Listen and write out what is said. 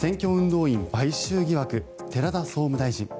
動員買収疑惑寺田総務大臣。